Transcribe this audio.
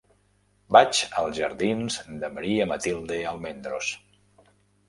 Vaig als jardins de Maria Matilde Almendros.